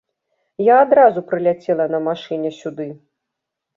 Я адразу прыляцела на машыне сюды.